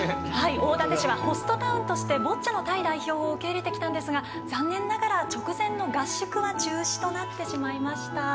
大館市はホストタウンとしてボッチャのタイ代表を受け入れてきたんですが残念ながら直前の合宿は中止となってしまいました。